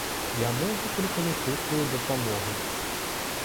Яму выклікалі хуткую дапамогу.